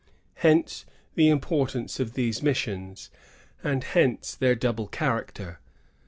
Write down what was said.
Hence the importance of these missions, and hence their double character.